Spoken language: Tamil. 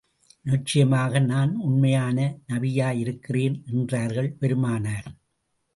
நிச்சயமாக, நான் உண்மையான நபியாயிருக்கின்றேன் என்றார்கள் பெருமானார்.